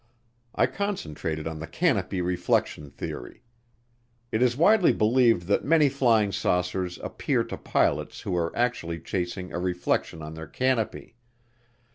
I concentrated on the canopy reflection theory. It is widely believed that many flying saucers appear to pilots who are actually chasing a reflection on their canopy.